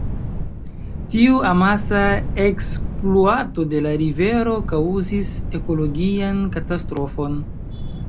Tiu amasa ekspluato de la rivero kaŭzis ekologian katastrofon.